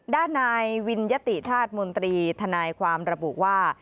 ด้านนายวิญญติชาติมนตรีทนายความระบุว่า